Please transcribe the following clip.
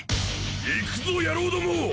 行くぞ野郎ども！